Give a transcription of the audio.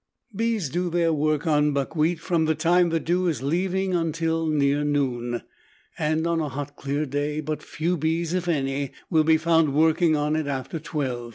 Bees do their work on buckwheat from the time the dew is leaving until near noon; and on a hot, clear day but few bees, if any, will be found working on it after 12 M.